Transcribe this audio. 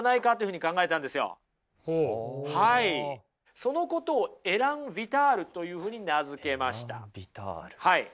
そのことをエラン・ヴィタールというふうに名付けました。